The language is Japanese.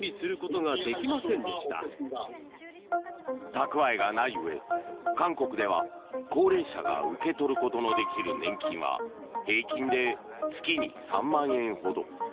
蓄えがないうえ韓国では、高齢者が受け取ることのできる年金は平均で月に３万円ほど。